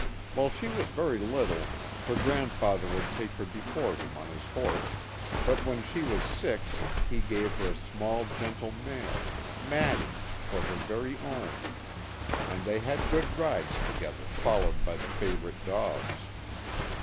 While she was very little her grandfather would take her before him on his horse, but when she was six he gave her a small gentle mare, "Mattie," for her very own, and they had good rides together followed by the favorite dogs.